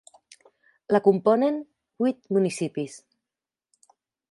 La componen huit municipis: